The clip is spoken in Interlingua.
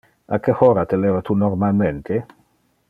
A que hora te leva tu normalmente?